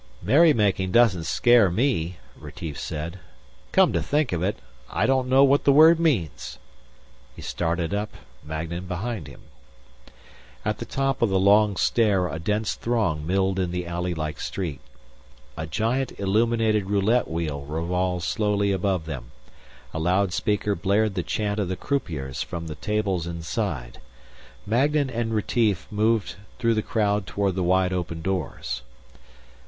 "Merrymaking doesn't scare me," Retief said. "Come to think of it, I don't know what the word means." He started up, Magnan behind him. At the top of the long stair a dense throng milled in the alley like street. A giant illuminated roulette wheel revolved slowly above them. A loudspeaker blared the chant of the croupiers from the tables inside. Magnan and Retief moved through the crowd toward the wide open doors.